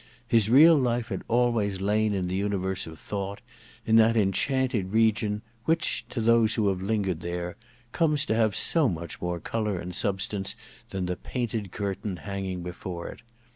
His real life had always l^n in the universe of thought, in that en chanted region which, to those who have lingered there, comes to have so much more colour and substance than the painted curtain hanging before it.